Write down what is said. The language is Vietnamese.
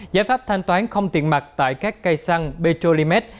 giải pháp thanh toán không tiện mặt tại các cây săn petrolimed